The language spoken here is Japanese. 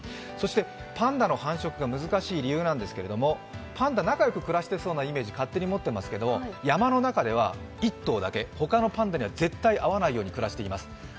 パンダの繁殖が難しい理由なんですけれども、パンダは仲いいイメージを私たち勝手に持っていますけど山の中では１頭だけ他のパンダには絶対会わないように暮らしています。